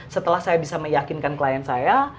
setelah saya bisa meyakinkan klien saya